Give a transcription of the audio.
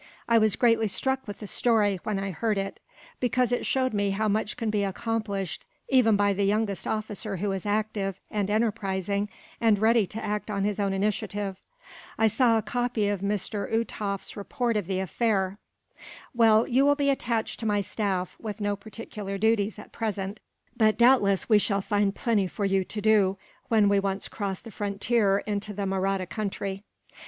I was greatly struck with the story, when I heard it; because it showed how much can be accomplished, even by the youngest officer who is active, and enterprising, and ready to act on his own initiative. I saw a copy of Mr. Uhtoff's report of the affair. "Well, you will be attached to my staff, with no particular duties, at present; but doubtless we shall find plenty for you to do, when we once cross the frontier into the Mahratta country."